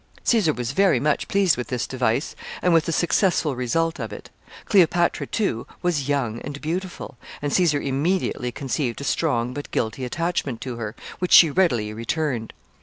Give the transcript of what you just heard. Caesar was very much pleased with this device, and with the successful result of it. Cleopatra, too, was young and beautiful, and Caesar immediately conceived a strong but guilty attachment to her, which she readily returned.